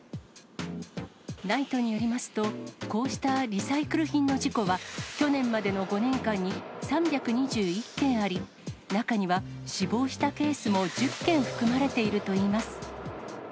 ＮＩＴＥによりますと、こうしたリサイクル品の事故は、去年までの５年間に３２１件あり、中には死亡したケースも１０件含まれているといいます。